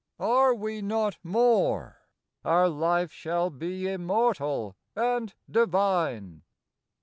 Are we not more ? Our Life shall be Immortal and divine.